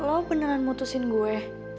lo beneran mutusin gue